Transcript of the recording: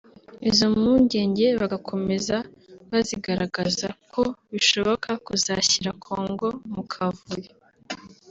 izo mpungenge bagakomeza bazigaragaza ko bishobora kuzashyira Congo mu kavuyo